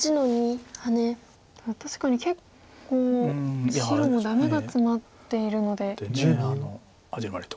確かに結構白もダメがツマっているので。